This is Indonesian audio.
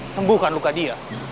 sembuhkan luka dia